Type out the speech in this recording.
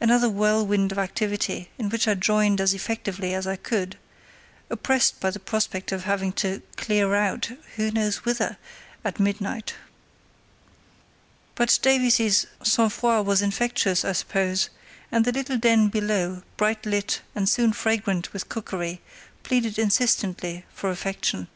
Another whirlwind of activity, in which I joined as effectively as I could, oppressed by the prospect of having to "clear out"—who knows whither?—at midnight. But Davies's sang froid was infectious, I suppose, and the little den below, bright lit and soon fragrant with cookery, pleaded insistently for affection.